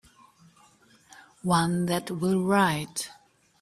One that will write.